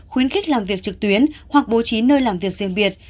khuyến khích làm việc trực tuyến hoặc bố trí nơi làm việc riêng biệt